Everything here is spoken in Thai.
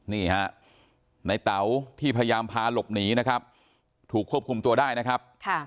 นี่ฮะในเต๋าที่พยายามพาหลบหนีนะครับถูกควบคุมตัวได้นะครับ